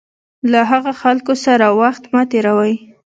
له هغه خلکو سره وخت مه تېروئ.